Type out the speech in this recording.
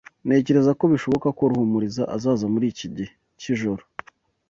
Ntekereza ko bishoboka ko Ruhumuriza azaza muri iki gihe cyijoro.